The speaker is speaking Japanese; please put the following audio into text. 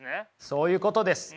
そういうことです。